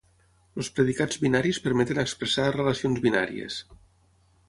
Els predicats binaris permeten expressar relacions binàries.